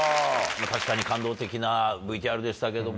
確かに感動的なＶＴＲでしたけどもね。